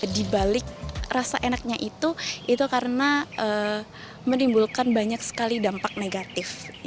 di balik rasa enaknya itu itu karena menimbulkan banyak sekali dampak negatif